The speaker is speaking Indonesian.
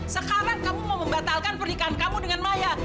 sekarang kamu mau membatalkan pernikahan kamu dengan maya